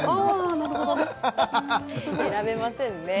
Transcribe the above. なるほどね選べませんね